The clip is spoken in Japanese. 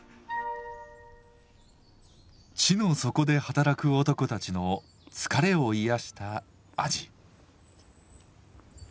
地の底で働く男たちの疲れを癒やした味。